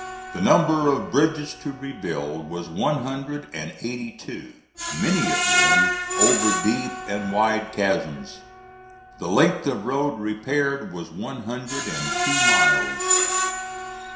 The number of bridges to rebuild was one hundred and eighty two, many of them over deep and wide chasms; the length of road repaired was one hundred and two miles.